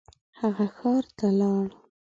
هغه ښار ته لاړ.